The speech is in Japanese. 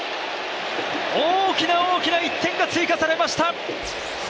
大きな大きな１点が追加されました！